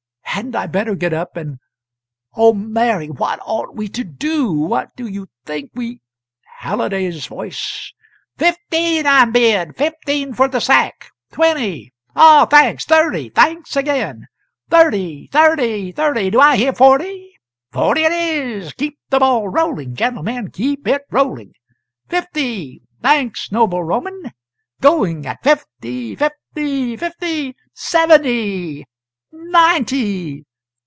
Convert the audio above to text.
Hadn't I better get up and Oh, Mary, what ought we to do? what do you think we " [Halliday's voice. "Fifteen I'm bid! fifteen for the sack! twenty! ah, thanks! thirty thanks again! Thirty, thirty, thirty! do I hear forty? forty it is! Keep the ball rolling, gentlemen, keep it rolling! fifty! thanks, noble Roman! going at fifty, fifty, fifty! seventy! ninety!